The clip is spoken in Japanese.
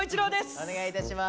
お願いいたします。